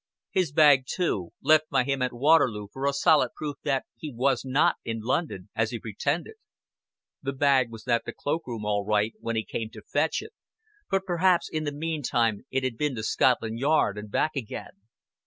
His bag too left by him at Waterloo for a solid proof that he was not in London as he pretended. The bag was at the cloak room all right when he came to fetch it, but perhaps in the meantime it had been to Scotland Yard and back again.